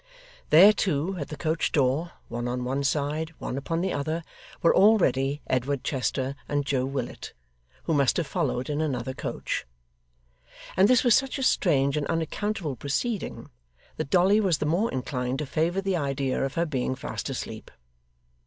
There too, at the coach door, one on one side, one upon the other, were already Edward Chester and Joe Willet, who must have followed in another coach: and this was such a strange and unaccountable proceeding, that Dolly was the more inclined to favour the idea of her being fast asleep.